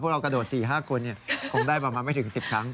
เรากระโดด๔๕คนคงได้ประมาณไม่ถึง๑๐ครั้ง